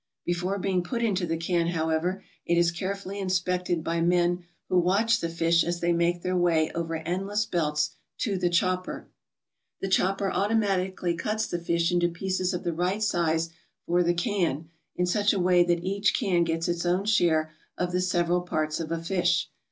Before being put into the can, however, it is care 26 ALASKA'S GOLDEN FISHERIES fully inspected by men who watch the fish as they make their way over endless belts to the chopper. The chopper automatically cuts the fish into pieces of the right size for the can in such a way that each can gets its own share of the several parts, of a fish.